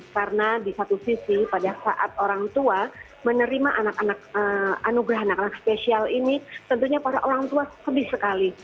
karena di satu sisi pada saat orang tua menerima anugerah anak anak spesial ini tentunya para orang tua sedih sekali